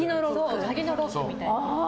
鍵のロックみたいな。